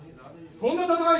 そんな戦い